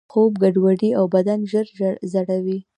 خوب ګډوډوي او بدن ژر زړوي.